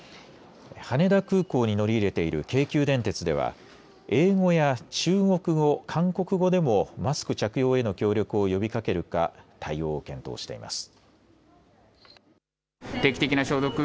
羽田空港に乗り入れている京急電鉄では英語や中国語、韓国語でもマスク着用への協力を呼びかけるか対応を検討しています。